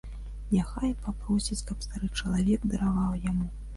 Няхай папросіць, каб стары чалавек дараваў яму.